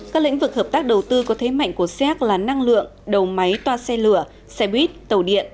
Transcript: các lĩnh vực hợp tác đầu tư có thế mạnh của xéc là năng lượng đầu máy toa xe lửa xe buýt tàu điện